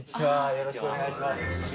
よろしくお願いします。